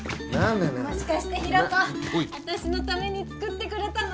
もしかして大翔私のために作ってくれたの？